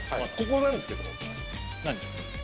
ここなんですけど。